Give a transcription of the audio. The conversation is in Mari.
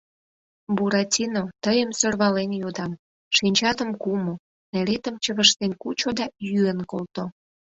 — Буратино, тыйым сӧрвален йодам, шинчатым кумо, неретым чывыштен кучо да йӱын колто.